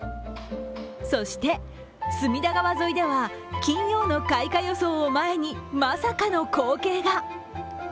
そして、隅田川沿いでは金曜の開花予想を前に、まさかの光景が。